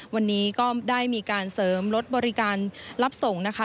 วันนี้ก็ได้มีการเสริมรถบริการรับส่งนะคะ